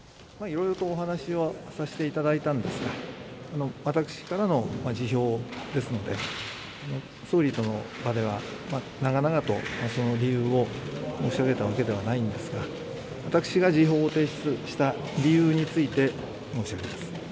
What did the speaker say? いろいろとお話はさせていただいたんですが私からの辞表ですので総理との場では長々とその理由を申し上げたわけではないんですが私が辞表を提出した理由について申し上げます。